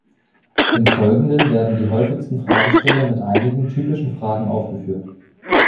Im Folgenden werden die häufigsten Fragesteller mit einigen typischen Fragen aufgeführt.